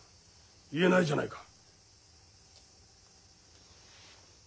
言えないじゃないか。